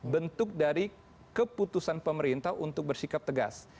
bentuk dari keputusan pemerintah untuk bersikap tegas